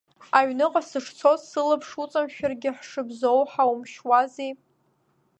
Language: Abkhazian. Аҩныҟа сышцоз сылаԥш уҵамшәаргьы ҳшыбзоу ҳаумшьуази.